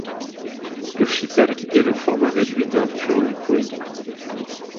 Le schipperke est le format réduit d’un pur lupoïde.